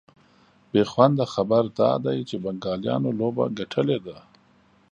بېخونده خبر دا دی چي بنګالیانو لوبه ګټلې ده